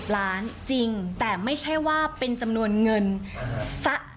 ล้านจริงแต่ไม่ใช่ว่าเป็นจำนวนเงิน